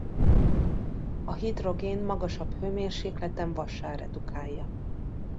A hidrogén magasabb hőmérsékleten vassá redukálja.